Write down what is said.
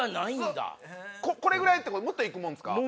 これぐらいもっといくもんですか？